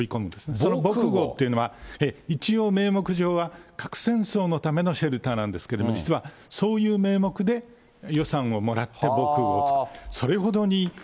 その防空ごうというのは一応、名目上は核戦争のためのシェルターなんですけれども、実はそういう名目で予算をもらって防空ごうを作った。